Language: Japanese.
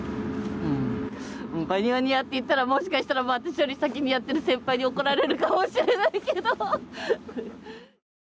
パイオニアって言ったらもしかしたら私より先にやってる先輩に怒られるかもしれないけど。